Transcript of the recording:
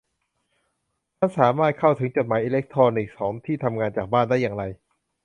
ฉันสามารถเข้าถึงจดหมายอิเล็กทรอนิกส์ของที่ทำงานจากบ้านได้อย่างไร